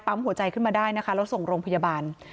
หัวใจขึ้นมาได้นะคะแล้วส่งโรงพยาบาล